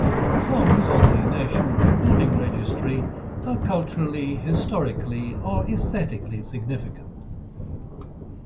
Songs on the National Recording Registry are culturally, historically, or aesthetically significant.